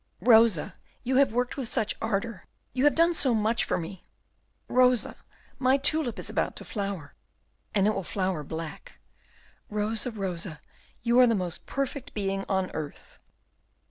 "Rosa, you have worked with such ardour, you have done so much for me! Rosa, my tulip is about to flower, and it will flower black! Rosa, Rosa, you are the most perfect being on earth!"